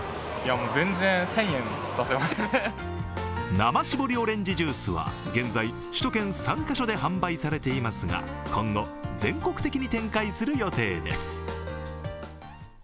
生搾りオレンジジュースは現在首都圏３カ所で販売されていますが、今後、全国的に展開する予定です。